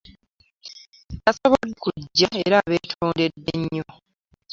Tasobodde kujja era abeetondedde nnyo.